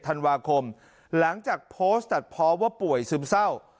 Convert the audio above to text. ธันวาคมหลังจากโพสต์ตัดเพราะว่าป่วยซึมเศร้า